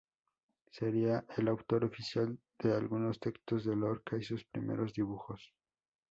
Sería el autor oficial de algunos textos de Lorca y sus primeros dibujos.